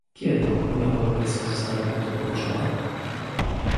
Kiedy Unia Europejska zostanie o to poproszona?